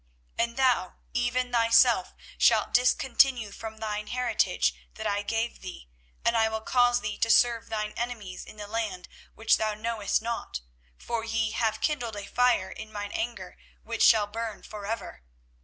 24:017:004 And thou, even thyself, shalt discontinue from thine heritage that I gave thee; and I will cause thee to serve thine enemies in the land which thou knowest not: for ye have kindled a fire in mine anger, which shall burn for ever.